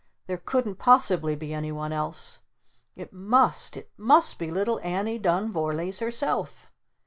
There couldn't possibly be anyone else! It must It must be little Annie Dun Vorlees herself!"